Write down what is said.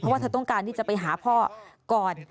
ว่าเธอต้องการที่จะไปหาพ่อก่อน